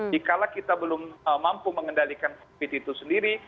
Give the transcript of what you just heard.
jikala kita belum mampu mengendalikan covid itu sendiri